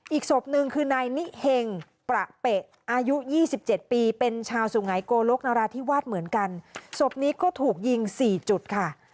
อีกสภพฯนึงคือนายนิเหงประเปะอายุ๒๗ปีเป็นชาวสุไหงโกโลกนราธิวาทเหมือนกันสภพนี้ก็ถูกยิง๔จุดค่ะ